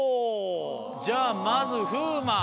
じゃあまず風磨。